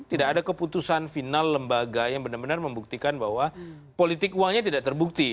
tidak ada keputusan final lembaga yang benar benar membuktikan bahwa politik uangnya tidak terbukti